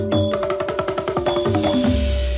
ตอนต่อไป